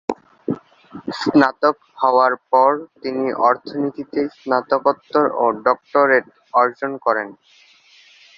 স্নাতক হওয়ার পর, তিনি অর্থনীতিতে স্নাতকোত্তর ও ডক্টরেট অর্জন করেন।